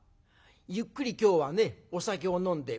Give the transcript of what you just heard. ゆっくり今日はねお酒を飲んで。